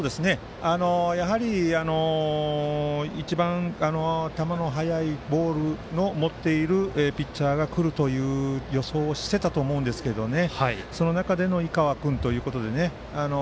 やはり一番球の速いボールを持っているピッチャーが来るという予想をしていたと思うんですけどその中での井川君ということでね。